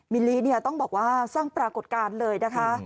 ลีเนี่ยต้องบอกว่าสร้างปรากฏการณ์เลยนะคะ